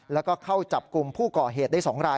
แล้วก็เข้าจับกลุ่มผู้ก่อเหตุได้๒ราย